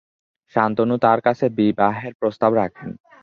শান্তনু তার কাছে বিবাহের প্রস্তাব রাখেন।